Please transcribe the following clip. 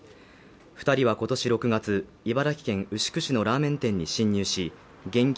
二人はことし６月茨城県牛久市のラーメン店に侵入し現金